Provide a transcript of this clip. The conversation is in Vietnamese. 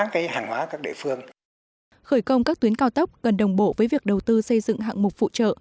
khởi công các tuyến cao tốc gần đồng bộ với việc đầu tư xây dựng hạng mục phụ trợ